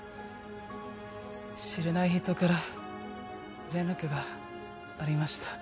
知らない人から連絡がありました